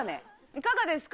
いかがですか？